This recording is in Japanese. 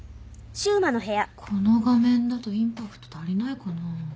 この画面だとインパクト足りないかな。